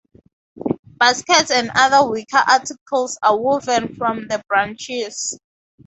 Baskets and other wicker articles are woven from the branches.